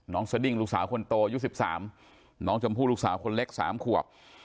น้องสดิ้งลูกสาวคนโตยุ้สิบสามน้องชมพู่ลูกสาวคนเล็กสามขวบ